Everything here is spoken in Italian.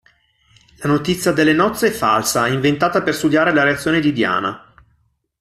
La notizia delle nozze è falsa, inventata per studiare la reazione di Diana.